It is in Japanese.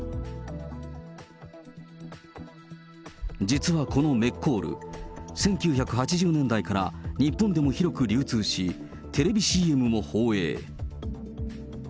実はこのメッコール、１９８０年代から、日本でも広く流通し、テレビＣＭも放映。